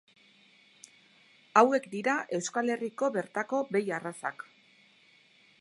Hauek dira Euskal Herriko bertako behi arrazak.